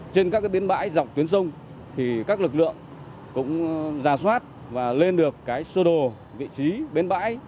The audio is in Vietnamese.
trên các bến bãi dọc tuyến sông thì các lực lượng cũng ra soát và lên được cái sơ đồ vị trí bến bãi